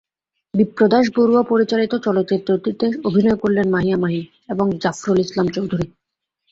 বিপ্রদাশ বড়ুয়া পরিচালিত চলচ্চিত্রটিতে অভিনয় করেন মাহিয়া মাহী এবং জাফরুল ইসলাম চৌধুরী।